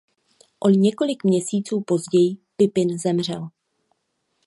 O několik měsíců později Pipin zemřel.